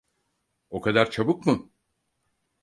O kadar çabuk mu?